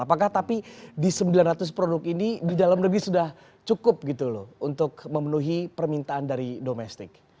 apakah tapi di sembilan ratus produk ini di dalam negeri sudah cukup gitu loh untuk memenuhi permintaan dari domestik